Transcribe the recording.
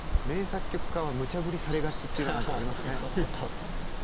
名作曲家はむちゃぶりされがちっていうのが何かありますね。